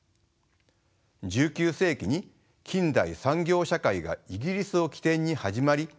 １９世紀に近代産業社会がイギリスを起点に始まり